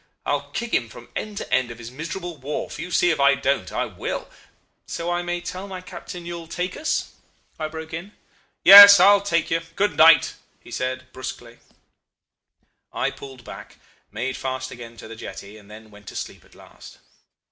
I'll kick him from end to end of his miserable wharf. You'll see if I don't. I will ' "'So I may tell my captain you'll take us?' I broke in. "'Yes, I'll take you. Good night,' he said, brusquely. "I pulled back, made fast again to the jetty, and then went to sleep at last.